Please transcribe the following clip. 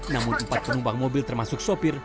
namun empat penumpang mobil termasuk sopir